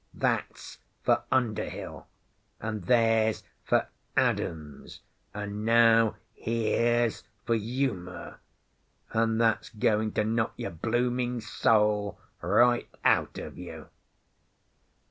That's for Underhill! And there's for Adams! And now here's for Uma, and that's going to knock your blooming soul right out of you!"